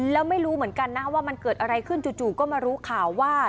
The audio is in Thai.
แล้วไม่รู้เหมือนกันนะว่ามันเกิดอะไรขึ้นจู่ก็มารู้ข่าวว่า